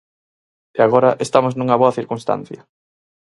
E agora estamos nunha boa circunstancia.